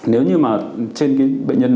nếu như mà trên cái bệnh nhân